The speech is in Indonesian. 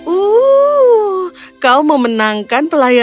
uh kau memenangkan pelayanan